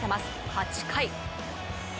８回。